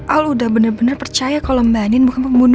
al udah bener bener percaya kalo mbak andin bukan pembalasnya